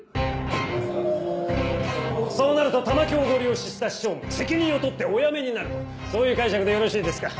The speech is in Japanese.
・お・そうなると玉響をゴリ押しした市長も責任を取ってお辞めになるとそういう解釈でよろしいですか？